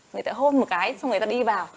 người ta hôn một cái xong người ta đi vào